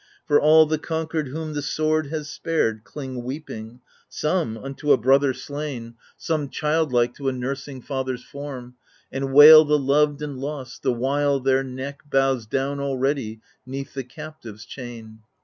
For all the conquered whom the sword has spared Cling weeping — some Unto a brother slain. AGAMEMNON 17 Some childlike to a nursing father's form, And wail the loved and lost, the while their neck Bows down already 'neath the captive's chain.